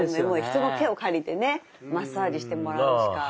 人の手を借りてねマッサージしてもらうしか。